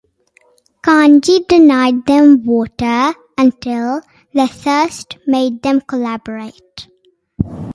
Carnegie denied them water until their thirst made them collaborate.